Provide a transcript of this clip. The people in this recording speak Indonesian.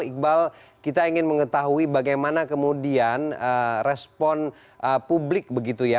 iqbal kita ingin mengetahui bagaimana kemudian respon publik begitu ya